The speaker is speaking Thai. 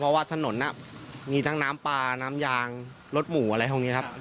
เพราะว่าถนนมีทั้งน้ำปลาน้ำยางรถหมูอะไรพวกนี้ครับ